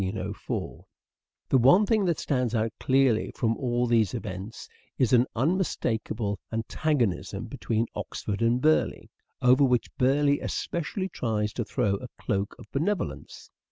Burleigh The one thing that stands out clearly from all these reputation18 events *s an unmistakable antagonism between Oxford and Burleigh, over which Burleigh especially tries to throw a cloak of benevolence.